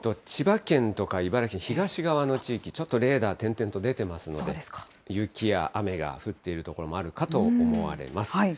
千葉県とか茨城県、東側の地域、ちょっとレーダー点々と出ていますので、雪や雨が降っている所もあるかと思われます。